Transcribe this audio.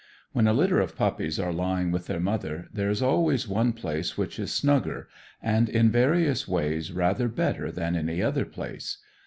When a litter of puppies are lying with their mother there is always one place which is snugger, and in various ways rather better than any other place.